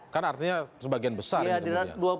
kan artinya sebagian besar ini